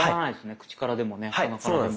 口からでも鼻からでも。